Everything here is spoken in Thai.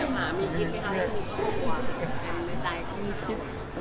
เหมือนกันเมื่อใจขึ้น